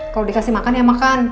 kalau dikasih makan ya makan